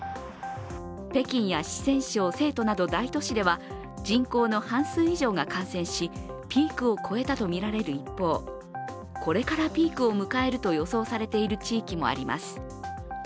北京や四川省成都などの大都市では人口の半数以上が感染しピークを超えたとみられる一方これからピークを迎えると予想されている地域もあります。